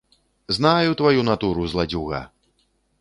Знаю тваю натуру, зладзюга!